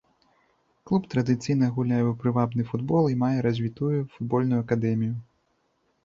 Клуб традыцыйна гуляе ў прывабны футбол і мае развітую футбольную акадэмію.